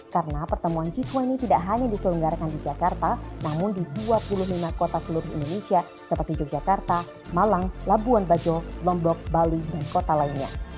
karena pertemuan g dua puluh tidak hanya diselenggarakan di jakarta namun di dua puluh lima kota seluruh indonesia seperti yogyakarta malang labuan bajo lombok bali dan kota lainnya